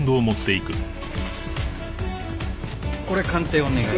これ鑑定お願い。